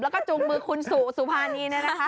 แล้วก็จุงมือคุณสุสุภานีเนี่ยนะคะ